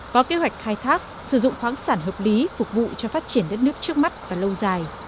có kế hoạch khai thác sử dụng khoáng sản hợp lý phục vụ cho phát triển đất nước trước mắt và lâu dài